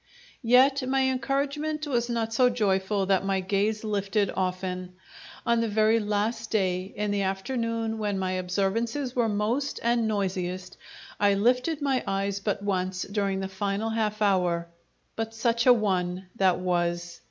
Yet my encouragement was not so joyful that my gaze lifted often. On the very last day, in the afternoon when my observances were most and noisiest, I lifted my eyes but once during the final half hour but such a one that was!